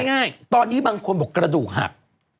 คือเอาง่ายตอนกี้บางคนบอกกระดูกหัก